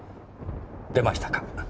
出ましたか。